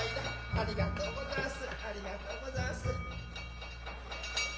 ありがとうござんす。